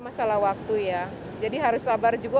masalah waktu ya jadi harus sabar juga